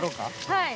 はい。